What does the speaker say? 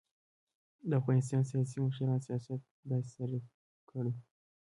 و : د افغانستان سیاسی مشران سیاست داسی تعریف کړی